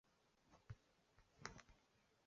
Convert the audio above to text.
蓝刺鹤虱为紫草科鹤虱属的植物。